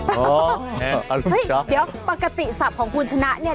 เดี๋ยวปกติศัพท์ของคุณชนะเนี่ย